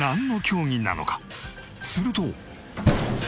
すると。